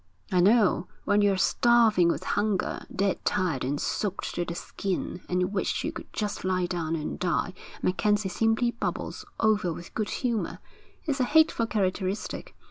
'I know. When you're starving with hunger, dead tired and soaked to the skin, and wish you could just lie down and die, MacKenzie simply bubbles over with good humour. It's a hateful characteristic.